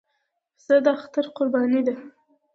پسه د اختر قرباني ده.